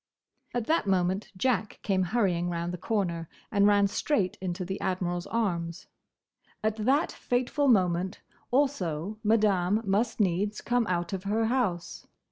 At that moment Jack came hurrying round the corner and ran straight into the Admiral's arms. At that fateful moment also Madame must needs come out of her house.